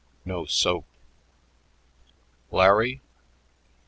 "No soap." "Larry?"